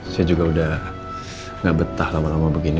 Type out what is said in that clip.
saya juga udah gak betah lama lama begini